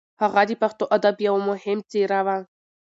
هغه د پښتو ادب یو مهم څېره وه.